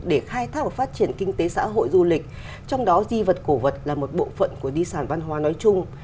để khai thác và phát triển kinh tế xã hội du lịch trong đó di vật cổ vật là một bộ phận của di sản văn hóa nói chung